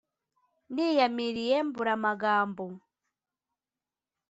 Niyamiriye mbura amagambo